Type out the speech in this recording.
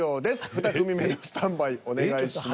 ２組目のスタンバイお願いします。